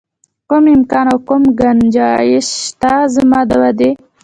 کوم امکان او کوم ګنجایش شته زما د ودې.